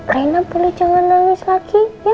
raina boleh jangan nangis lagi